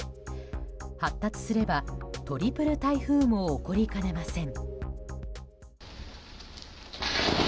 発達すればトリプル台風も起こりかねません。